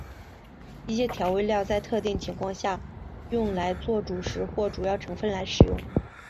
一些调味料在特定情况下用来作主食或主要成分来食用。